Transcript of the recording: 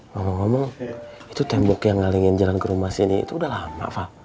ngomong ngomong itu tembok yang ngalingin jalan ke rumah sini itu udah lama pak